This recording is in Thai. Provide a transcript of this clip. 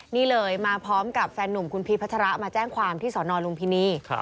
นี่เลยมาพร้อมกับแฟนหนุ่มคุณพีชพัชระมาแจ้งความที่สอนอลุมพินี